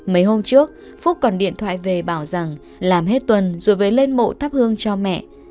mấy hôm trước phúc còn điện thoại về bảo rằng làm hết tuần rồi về lên mộ thắp hương cho mẹ